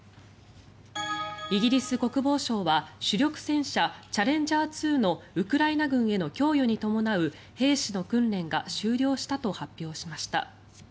イギリス国防省は主力戦車チャレンジャー２のウクライナ軍への供与に伴う兵士の訓練が終了したと発表しました。